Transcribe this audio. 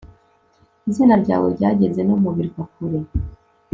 izina ryawe ryageze no mu birwa kure